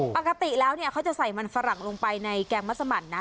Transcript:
ปกติแล้วเนี่ยเขาจะใส่มันฝรั่งลงไปในแกงมัสมันนะ